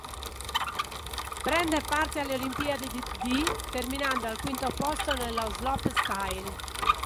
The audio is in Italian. Prende parte alle Olimpiadi di terminando al quinto posto nello slopestyle.